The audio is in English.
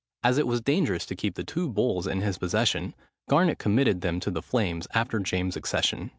As it was dangerous to keep the two bulls in his possession, Garnet committed them to the flames after James's accession.